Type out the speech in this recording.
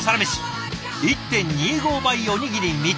１．２５倍おにぎり３つ！